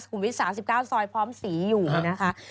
วิท๓๙ซอยพร้อมศรีอยู่นะคะ